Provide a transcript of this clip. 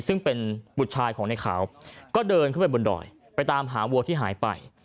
ซึ่งเป็นบุตรชายของในขาวก็เดินเข้าไปบนดอยไปตามหาวัวที่หายไป